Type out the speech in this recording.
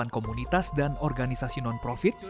dua puluh delapan komunitas dan organisasi non profit